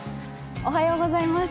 おはようございます。